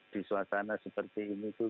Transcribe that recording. di suasana seperti ini tuh